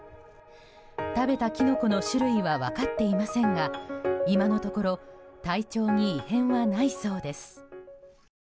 食べたキノコの種類は分かっていませんが今のところ体調に異変はないそうです。